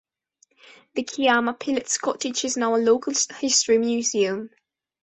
The Kiama Pilot's Cottage is now a local history museum.